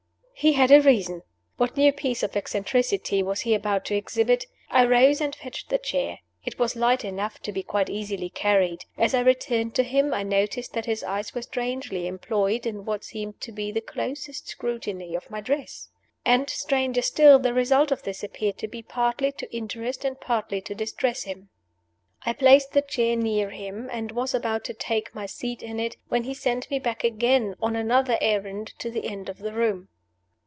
He had a reason! What new piece of eccentricity was he about to exhibit? I rose and fetched the chair. It was light enough to be quite easily carried. As I returned to him, I noticed that his eyes were strangely employed in what seemed to be the closest scrutiny of my dress. And, stranger still, the result of this appeared to be partly to interest and partly to distress him. I placed the chair near him, and was about to take my seat in it, when he sent me back again, on another errand, to the end of the room.